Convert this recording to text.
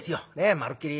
まるっきり